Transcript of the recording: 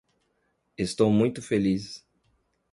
Estou muito feliz